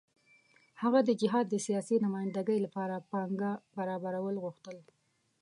هغه د جهاد د سیاسي نمايندګۍ لپاره پانګه برابرول غوښتل.